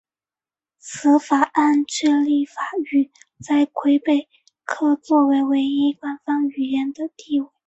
此法案确立法语在魁北克作为唯一官方语言的地位。